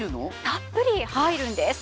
たっぷり入るんです。